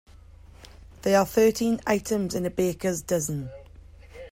There are thirteen items in a baker’s dozen